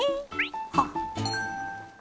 はっ。